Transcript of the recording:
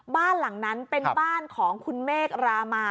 บ้านหลังนั้นตอนนั้นเป็นบ้านของคุณเมกระมา